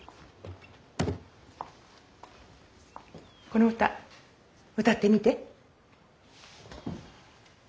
この歌歌ってみて。